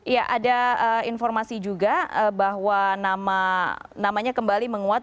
ya ada informasi juga bahwa namanya kembali menguat